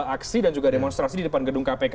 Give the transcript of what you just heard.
aksi dan juga demonstrasi di depan gedung kpk